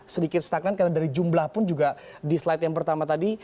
sedikit stagnan karena dari jumlah pun juga di slide yang pertama tadi